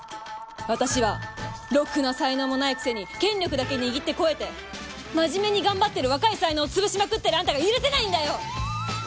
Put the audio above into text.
私はろくな才能もないくせに権力だけ握って肥えて真面目に頑張ってる若い才能を潰しまくってるあんたが許せないんだよ！